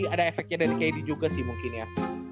ada efeknya dari kd juga sih mungkin ya